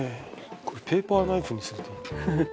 これペーパーナイフにするといい。